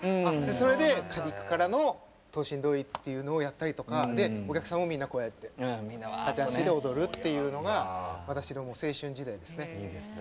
それで「嘉手久唐船ドーイ」っていうのをやったりとかお客さんもみんなこうやってカチャーシーで踊るっていうのが私の青春時代ですね。